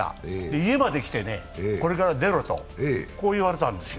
家まで来て、これから出ろと言われたんですよ。